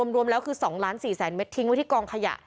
รวมแล้วคือ๒๔๐๐๐เมตรทิ้งไว้ที่กองขยะ